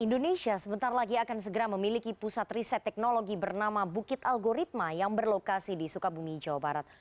indonesia sebentar lagi akan segera memiliki pusat riset teknologi bernama bukit algoritma yang berlokasi di sukabumi jawa barat